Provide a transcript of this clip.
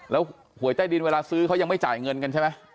แล้วหวยใต้ดินเวลาซื้อเขายังไม่จ่ายเงินกันใช่ไหม